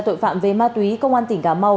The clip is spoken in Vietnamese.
tội phạm về ma túy công an tỉnh cà mau